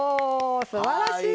すばらしい！